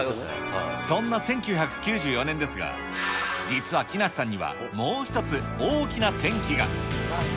そんな１９９４年ですが、実は木梨さんにはもう一つ、大きな転機が。